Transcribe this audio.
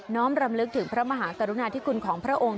้อมรำลึกถึงพระมหากรุณาธิคุณของพระองค์